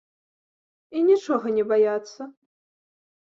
І нічога не баяцца!